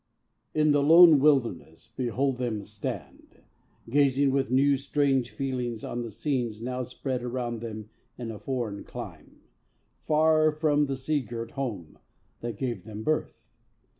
_ In the lone wilderness behold them stand, Gazing with new strange feelings on the scenes Now spread around them in a foreign clime, Far from the sea girt home that gave them birth.